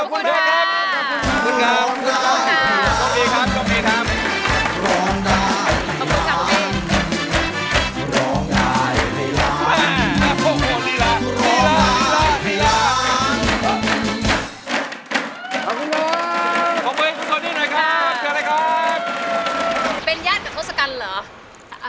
ขอบคุณมากครับขอบคุณค่ะขอบคุณค่ะขอบคุณค่ะขอบคุณค่ะขอบคุณค่ะขอบคุณค่ะขอบคุณค่ะ